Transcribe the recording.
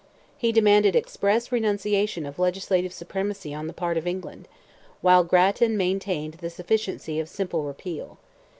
He demanded "express renunciation" of legislative supremacy on the part of England; while Grattan maintained the sufficiency of "simple repeal."